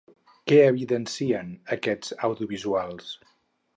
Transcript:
Què evidencien aquests audiovisuals?